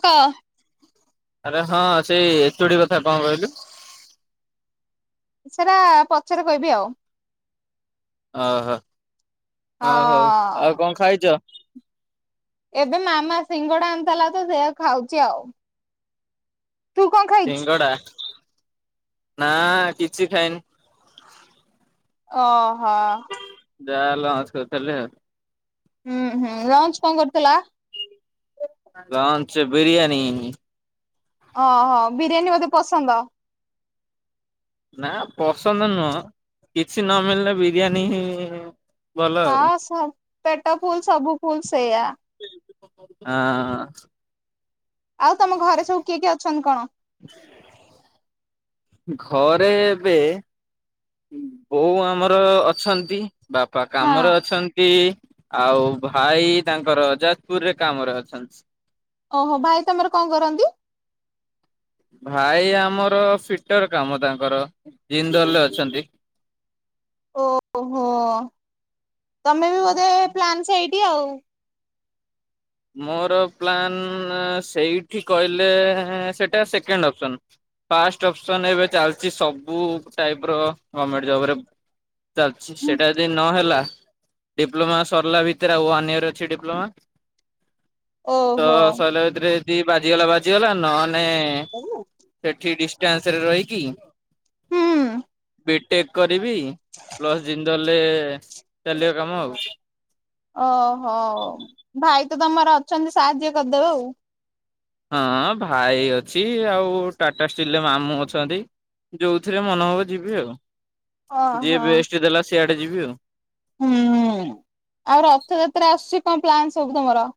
କ ଆରେ ହଁ ସେଇ ଏଚୋଡି କଥା କଣ କହିଲୁ? ସେରା ପଛରେ କହିବି ଆଉ। ଓହୋ ଓହୋ ଆଉ ହଁ କଣ ଖାଇଚ? ଏବେ ମାମା ସିଙ୍ଗଡା ଆଣିଥିଲା ତ ସେୟାକୁ ଖାଉଛି ଆଉ। ତୁ କଣ ଖାଇଛୁ? ସିଙ୍ଗଡା ନା କିଛି ଖାଇନି। ଓହୋ। ଯାହା ହେଲା [unintelligible] ହୁଁ ହୁଁ ଲଞ୍ଚ କଣ କରିଥିଲା? ଲଂଚ ବିରିୟାନୀ। ଓହୋ ବିରିୟାନୀ ବୋଧେ ପସନ୍ଦ? ନା ପସନ୍ଦ ନୁହଁ କିଛି ନ ମିଳିଲେ ବିରିୟାନୀ ହିଁ। ଭଲ ଆଉ ହଁ ସ ପେଟ ଫୁଲ ସବୁ ଫୁଲ ସେଇୟା। ହଁ। ଆଉ ତମ ଘରେ ସବୁ କିଏ କିଏ ଅଛନ୍ତି କଣ? [inaudible] ଘରେ ଏବେ ବୋଉ ଆମର ଅଛନ୍ତି। ବାପା ହଁ କାମରେ ଅଛନ୍ତି। ଆଉ ଭାଇ ତାଙ୍କର ଯାଜପୁର ରେ କାମରେ ଅଛନ୍ତି। ଓହୋ ଭାଇ ତମର କଣ କରନ୍ତି? ଭାଇ ଆମର ଫିଟର୍ କାମ ତାଙ୍କର ଜିନ୍ଦଲ୍ ରେ ଅଛନ୍ତି। ଓହୋ ତମେ ବି ବୋଧେ ପ୍ଲାନ୍ ସେଇଠି ଆଉ। ମୋର ପ୍ଲାନ୍ ସେଇଠି କହିଲେ ସେଇଟା ସେକେଣ୍ଡ ଅପସନ୍। ଫାଷ୍ଟ ଅପସନ୍ ଏବେ ଚାଲିଛି ସବୁ ଟାଇପ ର ଗଭର୍ମେଣ୍ଟ ଜବରେ। ଚାଲିଛି ସେଇଟା ଯଦି ନହେଲା ଡିପ୍ଲୋମା ସରିଲା ଭିତରେ ଆଉ ୱାନ୍ ଇୟର ଅଛି ଡିପ୍ଲୋମା। ତ ଓହୋ ସରିଲା ଭିତରେ ଯଦି ବାଜିଗଲା ବାଜିଗଲା ନହେଲେ କହିନ ସେଠି ଡିଷ୍ଟାନ୍ସ ରେ ରହିକି ବିଟେକ୍ କରିବି ପ୍ଲସ ଜିନ୍ଦଲ୍ ରେ ଚାଲିବ କାମ ଆଉ। ଓହୋ ଭାଇ ତ ତମର ଅଛନ୍ତି ସାହାଯ୍ୟ କରିଦେବ ଆଉ। ହଁ ଭାଇ ଅଛି ଆଉ ଟାଟା ଷ୍ଟିଲରେ ମାମୁଁ ଅଛନ୍ତି। ଯୋଉଥିରେ ମନ ହବ ଯିବି ଆଉ ଓହୋ ଯିଏ ବେଷ୍ଟ ଦେଲା ସିଆଡେ ଯିବି ଆଉ। ହୁଁ ଆଉ ରଥଯାତ୍ରା ଆସୁଛି କଣ ପ୍ଲାନ ସବୁ ତମର?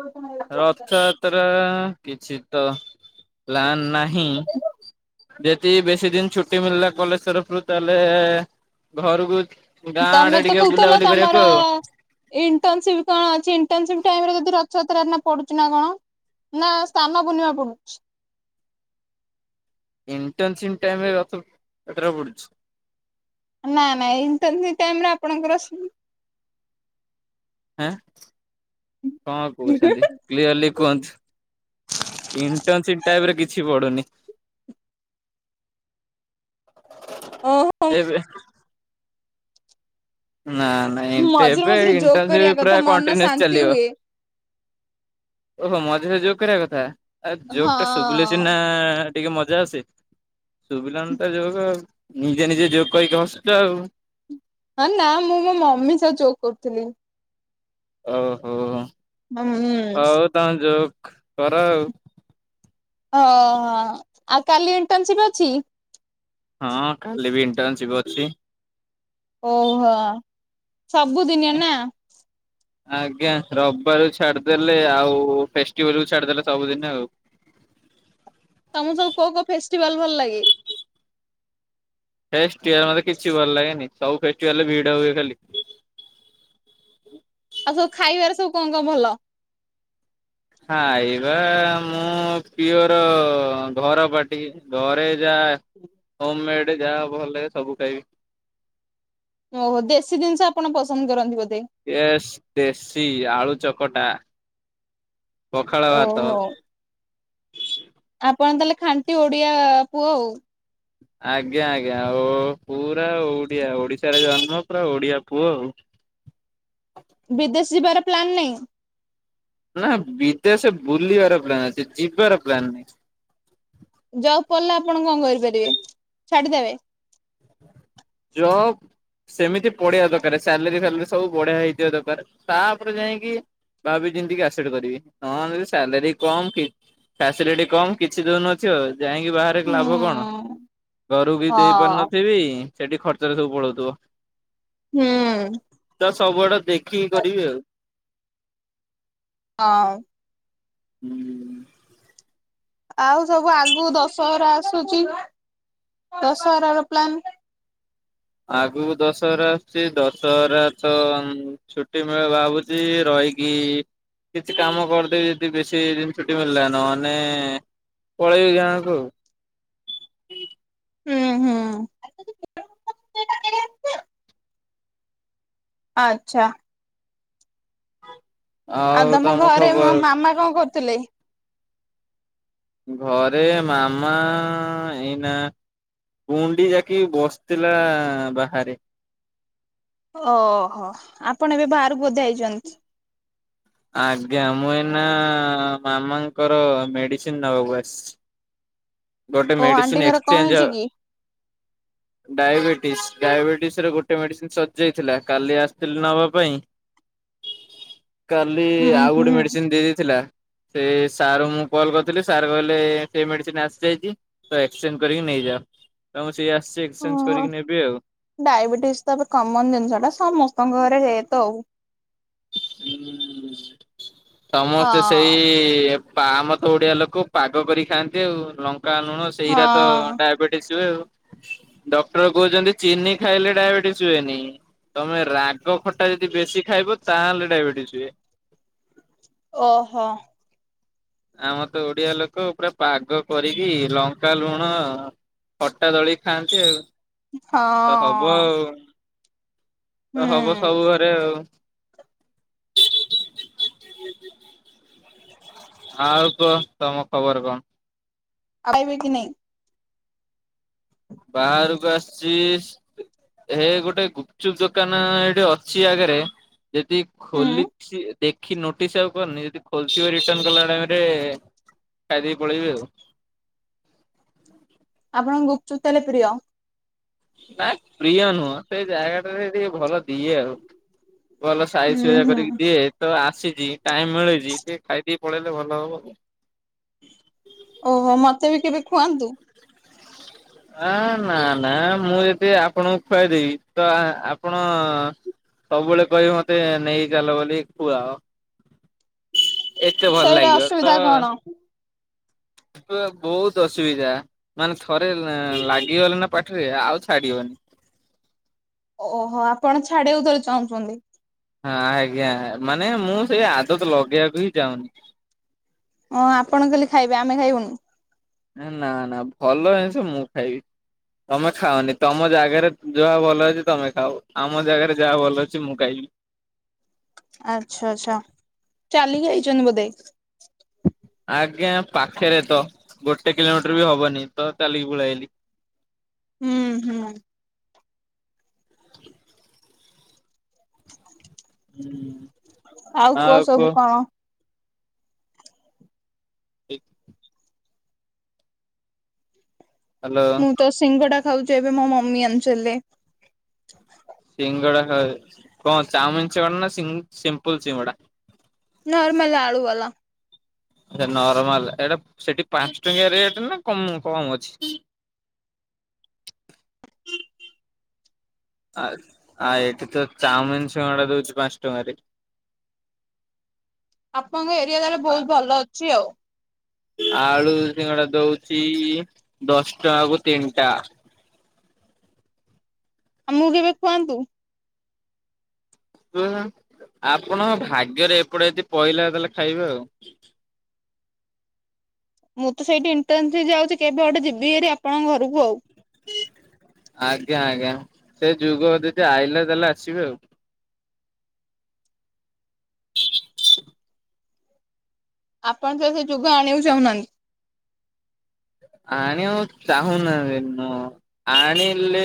ପୋଛା ମାରିବା ରଥଯାତ୍ରା କିଛି ତ ପ୍ଲାନ୍ ନାହିଁ। ଯଦି ବେଶୀ ଦିନ ଛୁଟି ମିଳିଲା କଲେଜ ତରଫରୁ ତାହେଲେ ଘରୁକୁ ତମେ ତ କହୁଥିଲ ତମର ଇଣ୍ଟର୍ନସିପ୍ କଣ ଅଛି ଇଣ୍ଟର୍ନସିପ୍ ଟାଇମ୍ ରେ ଯଦି ରଥଯାତ୍ରା ଏଇନା ପଡୁଛି ନା କଣ। ନା ସ୍ନାନ ପୁର୍ଣିମା ପଡୁଛି। ଇଣ୍ଟର୍ନସିପ୍ ଟାଇମ୍ ରେ ରଥ ଯାତ୍ରା ପଡୁଛି। ନା ନା ଇଣ୍ଟର୍ନସିପ୍ ଟାଇମ୍ ରେ ଆପଣଙ୍କର ଆଁ କଣ କହୁଛନ୍ତି କ୍ଲିୟରଲି କୁହନ୍ତୁ। ଇଣ୍ଟର୍ନସିପ୍ ଟାଇମ୍ ରେ କିଛି ପଡୁନି। ଓହୋ। ଏବେ ନା ନାଇଁ ଏବେ ମଝିରେ ଏବେ ମଝିରେ ଜୋକ୍ ଇନ୍ଟନ୍ସିପ କରିବା ପୁରା କଥା ମନ କଣ୍ଟିନୁଏସ ଶାନ୍ତି ଚାଲିବ। ହୁଏ। ଓହୋ ମଝିରେ ଯୋକ୍ କରିବା କଥା ଆ ଯୋକ୍ ଟା ଶୁଭିଲେ ହଁ ସିନା ଟିକେ ମଜା ଆସେ ଶୁଭିଲାନି ତ ଯୋକ୍ ଆଉ ନିଜେ ନିଜେ ଯୋକ୍ କରିକି ହସୁଛ ଆଉ। ହଁ ନା ମୁଁ ମୋ ମମି ସହ ଯୋକ୍ କରୁଥିଲି। ଓହୋ। ହୁଁ। ହଉ ତମେ ଜୋକ୍ କର ଆଉ। ଓ ହୋ ଆଉ କାଲି ଇଣ୍ଟର୍ନସିପ ଅଛି? ହଁ କାଲି ବି ଇଣ୍ଟର୍ନସିପ୍ ଅଛି। ଓହୋ ସବୁଦିନିଆ ନା। ଆଜ୍ଞା ରବିବାର ଛାଡିଦେଲେ ଆଉ ଫେଷ୍ଟିଭାଲକୁ ଛାଡିଦେଲେ ସବୁଦିନ ଆଉ। ତମକୁ ସବୁ କୋଉ କୋଉ ଫେଷ୍ଟିଭାଲ ଭଲ ଲାଗେ? ଫେଷ୍ଟିଭାଲ ମତେ କିଛି ଭଲ ଲାଗେନି ସବୁ ଫେଷ୍ଟିଭାଲ ରେ ଭିଡ ହୁଏ ଖାଲି। ଆଉ ସବୁ ଖାଇବାରେ ସବୁ କଣ କଣ ଭଲ? ଖାଇବା ମୁଁ ପିୟୋର ଘର ପାଟି। ଟି ଘରେ ଯାହା ହୋମ ମେଡ ଯାହା ଭଲ ଲାଗିବ ସବୁ ଖାଇବି। ଓହୋ ଦେଶୀ ଜିନିଷ ଆପଣ ପସନ୍ଦ କରନ୍ତି ବୋଧେ? ଏ ଦେଶୀ ଆଳୁ ଚକଟା ପଖାଳ ଭାତ ଓହୋ ଆପଣ ତାହେଲେ ଖାଣ୍ଟି ଓଡିଆ ପୁଅ ଆଉ। ଆଜ୍ଞା ଆଜ୍ଞା ଆଉ ପୁରା ଓଡିଆ ଓଡିଶାରେ ଜନ୍ମ ପୁରା ଓଡିଆ ପୁଅ ଆଉ। ବିଦେଶ ଯିବାର ପ୍ଲନ୍ ନାଇଁ? ନା ବିଦେଶ ବୁଲିବାର ପ୍ଲାନ୍ ଅଛି ଯିବାର ପ୍ଲାନ ନାହିଁ। ଜବ ପଡ଼ିଲେ ଆପଣ କଣ କରିପାରିବେ ଛାଡିଦେବେ? ଜବ୍ ସେମିତି ପଢିଆ ଦରକାର, ସାଲେରୀ ଫାଲେରୀ ସବୁ ବଢିଆ ହେଇଥଥିବା ଦରକାର, ତାପରେ ଯାଇକି ଭାବି ଚିନ୍ତିକିି ଆସେପ୍ଟ କରିବି। ନ ହେଲେ ସାଲାରୀ କମ୍ କି ଫାସିଲିଟି କମ୍, କିଛି ଦୋଉନଥିବ, ଯାଇଁକି ବାହାରେ ହୁଁ ଲାଭ କଣ? ଘରୁ ବି ଦେଇ ହଁ ପାରୁିନଥିବି ସେଠି ଖର୍ଚରେ ସବୁ ପଳଉଥିବ। ହୁଁ। ତ ସବୁଆଡେ ଦେଖିକି କରିବି ଆଉ। ହଁ। ହୁଁ। ଆଉ ସବୁ ଆଗକୁ ଦଶହରା ଆସୁଛି, ଦଶହରାର ପ୍ଲାନ? ଆଗକୁ ଦଶହରା ଆସୁଛି ଦଶହରା ତ ଛୁଟି ମିଳେ ଭାବୁଛି ସେ ରହକି କିଛି କାମ କରିଦେବି ଯଦି ବେଶୀ ଦିନ୍ ଛୁଟି ମିଳିଲା, ନ ହେନେ ପଳେଇବି ଗାଁକୁ। ହୁଁ ହୁଁ। ଆଚ୍ଛା। ଆଉ ତମ ଘରେ ମୋ ମାମା କଣ କରୁଥିଲେ? ଘରେ ମାମା ଏଇନା କୁଣ୍ଡି ଯାକି ବସିଥିଲା ବାହାରେ। ଓହୋ। ଆପଣ ଏବେ ବାହାରକୁ ବଧେ ଆଇଛନ୍ତି? ଆଜ୍ଞା। ମୁଁ ଏଇନା ମାମାଙ୍କର ମେଡ଼ିସିନ୍ ନବାକୁ ଆସିଛି। ଗୋଟେ ଓ ମେଡିସିନ ଆଣ୍ଟି ଙ୍କର କଣ ହେଇଛି କି? ଡାଏବେଟିସ୍ ଡାଏବେଟିସ୍ ରେ ଗୋଟେ ମେଡ଼ିସିନ୍ ସଜିଯାଇଥିଲା, କାଲି ଆସିଥିଲି ନବା ପାଇଁ। [inaudible] କାଲି ଉଁ ଆଉ ଗୋଟେ ହୁଁ। ମେଡ଼ିସିନ୍ ଦେଇ ଦେଇେଇଥିଲା। ସେ ସାର୍ ଙ୍କୁ ମୁଁ କଲ୍ କରିଥିଲି ସାର୍ କହିଲେ ସେ ମେଡ଼ିସିନ୍ ଆସି ଦେଇକି ତ ଏକ୍ସଚେଞ୍ଜ କରିକି ନେଇଯାଅ। ତ ମୁଁ ସେଇ ଆସିଛି ଏକ୍ସଚେଞ୍ଜ କରିକି ନେବି ଆଉ। ଡାଏବେଟିସ୍ ତ ଏବେ କମନ୍ ଜିନିଷ ଟା ସମସ୍ତଙ୍କ ଘରେ ହେତ ଆଉ। ହଁ ସମସ୍ତେ ସେଇ ପା ମାତ ଓଡିଆ ଲୋକ ପାଗ କରି ଖାଆନ୍ତି ଆଉ, ଲଙ୍କା ଲୁଣ ହଁ ସେଇରା ତ ହଁ ଡାଏବେଟିସ୍ ହୁଏ ଆଉ। ଡକ୍ଟର କହୁଛନ୍ତି ଚିନି ଖାଇଲେ ଡାଏବେଟିସ୍ ହୁଏନି। ତମେ ରାଗ ଖଟା ଯଦି ବେଶି ଖାଇବ ତାହେଲେ ଡାଏବେଟିସ୍ ହୁଏ। ଓହୋ। ଆମର ତ ଓଡିଆ ଲୋକ ପୁରା ପାଗ କରିକି ଲ ଙ୍କା, ଲୁଣ ଖଟା ଦଳି ଖାଆନ୍ତି ଆଉ। ହଁ। ତ ହବ ଆଉ ତ ହବ ହୁଁ ସବୁ ଘରେ ଆଉ। ଆଉ କୁହ ତମ ଖବର କଣ? ଆଡ଼େଇ ବେକି କି ନାହିଁ? ବାହାରକୁ ଆସିଛି। ହେ ଗୋଟେ ଗୁପ୍ ଚୁପ୍ ଦୋକାନ ଏଇଠି ଅଛି ଆଗରେ, ଯଦି ହୁଁ ଖୋଲିଛି ଦେଖି ନୋଟିସ୍ ଆଉ କରନି, ଯଦି ଖୋଲଥିବ ରିଟର୍ଣ କଲା ଟାଇମ୍ ରେ ଖାଇଦେଇକି ପଳେଇବି ଆଉ। ଆପଣଙ୍କୁ ଗୁପ୍ ଚୁପ୍ ତାହେଲେ ପ୍ରିୟ? ନା ପ୍ରିୟ ନୁହଁ। ସେଇ ଜାଗା ଟାରେ ଟିକେ ଭଲ ଦିଏ ଆଉ। ଭଲ ସାଇଜ୍ ହୁଁ ସୁଜା ହୁଁ କରିକି ଦିଏ। ତ ଆସିଛି ଟାଇମ୍ ମିଳୁଛି ଟିକେ ଖାଇ ଦେଇ ପଳେଇଲେ ଭଲ ହବ। ଓହୋ ମତେ ବି କେବେ ଖୁଆନ୍ତୁ? ହ ନା ନା ମୁଁ ଯଦି ଆପଣଙ୍କୁ ଖୁଆଇଦେବି ତ ଆପଣ ସବୁବେଳେ କହିବେ ମତେ ନେଇ ଚାଲ ବୋଲି ଖୁଆଓ। ଏତେ ଭଲ ସେଇଟା ଲାଗିବ ଅସୁବିଧା ତ କଣ? ବୋହୁତ୍ ଅସୁବିଧା ମାନେ ଥରେ ଲାଗିଗଲେ ନା ପାଟିରେ ଆଉ ଛାଡିିବନି। ଓହୋ ଆପଣ ଛାଡି ବାକୁ ଥରେ ଚାହୁଁଛନ୍ତି। ହଁ ଆଜ୍ଞା ମାନେ ମୁଁ ସେଇ ଆଦତ ଲଗେଇବାକୁ ହିଁ ଚାହୁନି। ହଁ ଆପଣ ଖାଲି ଖାଇବେ ଆମେ ଖାଇବୁନୁ। ନା ନା ଭଲ ଜିନିଷ ମୁଁ ଖାଇବି। ତମେ ଖାଅନି ତମ ଜାଗାରେ ଯାହା ଭଲ ଅଛି ତମେ ଖାଉ ଆମ ଜାଗାରେ ଯାହା ଭଲ ଅଛି ମୁଁ ଖାଇବି ଆଚ୍ଛା ଆଛା ଚାଲିକି ଯାଇଛନ୍ତି ବୋଧେ ଆଜ୍ଞା ପାଖରେ ତ ଗୋଟେ କିଲୋମିଟର ବି ହବନି ତ ଚାଲିକି ପଳେଆଇଲି। ହୁଁ ହୁଁ ହୁଁ ଆଉ କୁହ ସବୁ କଣ? ଠିକ ହ୍ୟାଲୋ। ମୁଁ ତ ସିଙ୍ଗଡା ଖାଉଛି ଏବେ ମୋ ମମି [unintelligible] ସିଙ୍ଗଡା ଖାଉ କଣ ଚାାଉମିନ ସିଙ୍ଗଡାନା ସିମ୍ପଲ ସିଙ୍ଗଡା ନର୍ମାଲ ଆଳୁ ବାଲା ନରମାଲ ଏଟା ସେଠି ପାଞ୍ଚ ଟଙ୍କିଆ ରେଟ ନା କ କମ ଅଛି। ଆ ଆ ଏଠି ତ ଚାଉମିନ ସିଙ୍ଗଡା ଦଉଛି ପାଞ୍ଚ ଟଙ୍କାରେ। ଆପଣଙ୍କ ଏରିଆ ତାହେଲେ ବହୁତ ଭଲ ଅଛି ଆଉ ଆଳୁ ସିଙ୍ଗଡା ଦଉଛିି ଦଶ ଟଙ୍କାକୁ ତିନିଟା। ଆମକୁ କେବେ ଖୁଆନ୍ତୁ। ତୁ ଆପଣଙ୍କ ଭାଗ୍ୟରେ ଏପଟେ ଯଦି ପଇଲା ତାହେଲେ ଖାଇବେ ଆଉ ମୁଁ ତ ସେଇଠି [unintelligible] ଯାଉଛି କେବେ ଗୋଟେ ଯିବି ହେରି ଆପଣଙ୍କ ଘରକୁ ଆଉ ଆଜ୍ଞା ଆଜ୍ଞା ସେ ଯୁଗ ଯଦି ଆଇଲା ତାହେଲେ ଆସିବେ ଆଉ ଆପଣ ତ ସେ ଯୁଗ ଆଣିବାକୁ ଚାହୁଁନାହାନ୍ତି। ଆଣିବାକୁ ଚାହୁଁ ନାହାନ୍ତି ନୁହ ଆଣିଲେ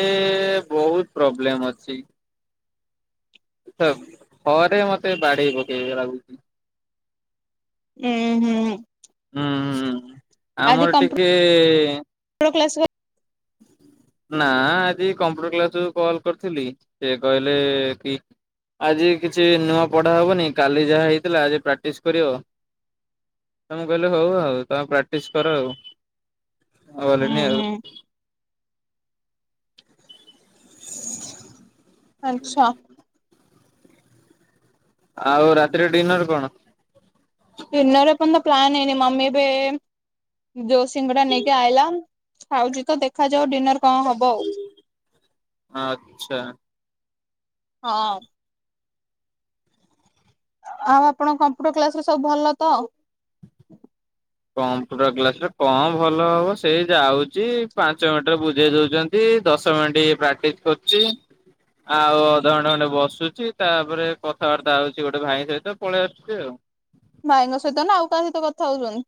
ବହୁତ ପ୍ରୋବ୍ଲେମ ଅଛି। ଘରେ ମତେ ବାଡେଇ ପକେଇବେ ଲାଗୁଛି। ହୁଁ ହୁଁ ହୁଁ ହୁଁ ଆମର ଟିକେ କ୍ଲାସକୁ ନା ଆଜି କମ୍ପୁଟର କ୍ଲାସ ରୁ କଲ୍ କରିଥିଲି ସେ କହିଲେ କି ଆଜି କିଛି ନୂଆ ପଢା ହବନି କାଲି ଯାହା ହେଇଥିଲା ଆଜି ପ୍ରାକ୍ଟିସ କରିବ ତମେ କହିଲେ ହଉ ଆଉ ତମେ ପ୍ରାକ୍ଟିସ କର ଆଉ ହୁଁ ଭଲନି ଆଉ ହୁଁ ହ ଆଚଛା ଆଉ ରାତିରେ ଡିନର୍ କଣ ନୋ ରୂପନ୍ଦ ପ୍ଲାନ୍ନଇନି ମମୀ ବି ଜୋସିିଙ୍ଗ ଟା ନେଇକି ଆଇଲା ଖାଉଛି ତ ଦେଖାଯାଉ ଡିନର କଣ ହବ ଆଉ ହ ଆଚଛା ହଁ ଆଉ ଆପଣଙ୍କ କମ୍ପ୍ୟୁଟର କ୍ଲାସ ରେ ସବୁ ଭଲ ତ ଆଉ କମ୍ପ୍ୟୁଟର ଗ୍ଲାସରେ କଣ ଭଲ ହବ ସେଇ ଯାଉଛି ପାଞ୍ଚ ମିନିଟ ବୁଝେଇ ଦଉଛନ୍ତି ଦଶ ମିନଟ ପ୍ରାକ୍ଟିସ କରୁଛି ଆଉ ଅଧଘଣ୍ଟା ଖଣ୍ଟେ ବସୁଛି ତାପରେ କଥାବାର୍ତ୍ତା ହଉଛି ଗୋଟେ ଭାଇ ସହିତ ପଳେଇ ଆସୁଛି ଆଉ ଭାଇଙ୍କ ସହିତ ନା ଆଉ କାହା ସହିତ କଥା ହଉଛନ୍ତି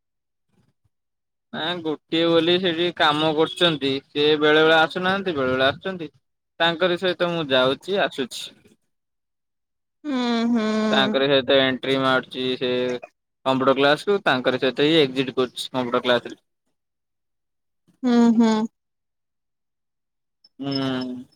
ନା ଗୋଟିଏ ବୋଲି ସେଠିକି କାମ କରୁଛନ୍ତି ସ ବେଳେ ବଳେ ଆସୁନାହାନ୍ତି ବେଳେ ବେଳେ ଆସୁଛନ୍ତି ତାଙ୍କରି ସହିତ ମୁଁ ଯାଉଛି ଆସୁଛି ଗ ତାଙ୍କରି ସତ ଏଣ୍ଟ୍ରି ମାଛ କମ୍ପ୍ୟୁଟର କ୍ସ ତାଙ୍କର ସହିତଚ କମ୍ପୁଟର କ୍ଲାସ ହ ହୁଁ ହୁଁ। ହୁଁ।